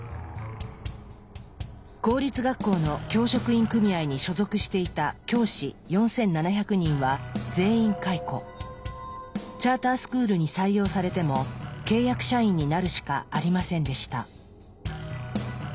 公立学校の教職員組合に所属していた教師チャータースクールに採用されても契約社員になるしかありませんでした。